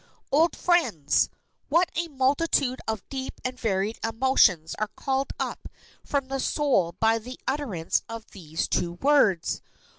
Old friends! What a multitude of deep and varied emotions are called up from the soul by the utterance of these two words!